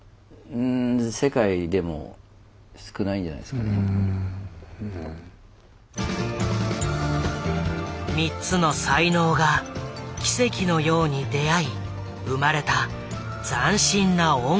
なかなか３人で３つの才能が奇跡のように出会い生まれた斬新な音楽。